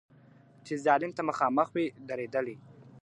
چي ظالم ته مخامخ وي درېدلي `